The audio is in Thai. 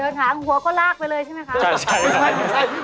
เดินหางหัวก็ลากไปเลยใช่ไหมครับใช่